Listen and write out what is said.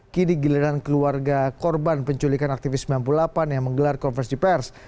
kini giliran keluarga korban penculikan aktivis sembilan puluh delapan yang menggelar konversi pers